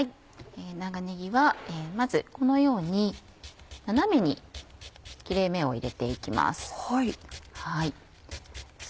長ねぎはまずこのように斜めに切れ目を入れて行きます。